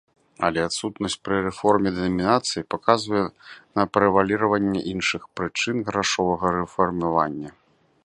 Але адсутнасць пры рэформе дэнамінацыі паказвае на прэваліраванне іншых прычын грашовага рэфармавання.